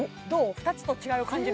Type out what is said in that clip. ２つと違いを感じる？